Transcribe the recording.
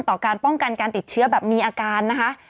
การป้องกันการติดเชื้อแบบมีอาการนะคะ